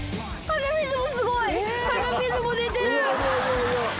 鼻水も出てる。